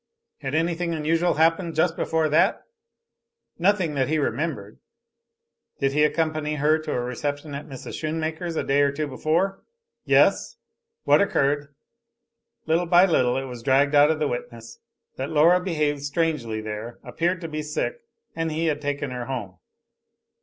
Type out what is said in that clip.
Had anything unusual happened just before that? Nothing that he remembered. Did he accompany her to a reception at Mrs. Shoonmaker's a day or two before? Yes. What occurred? Little by little it was dragged out of the witness that Laura had behaved strangely there, appeared to be sick, and he had taken her home.